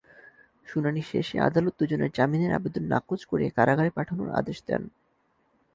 শুনানি শেষে আদালত দুজনের জামিনের আবেদন নাকচ করে কারাগারে পাঠানোর আদেশ দেন।